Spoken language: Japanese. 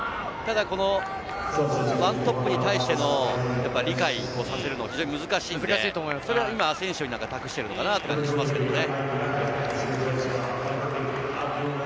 １トップに対しての理解をさせるのが非常に難しいので、それをアセンシオに託してるのかなという気がしますね。